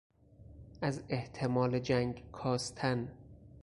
از احتمال جنگ کاستن